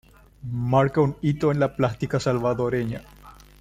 Marca un hito en la plástica salvadoreña.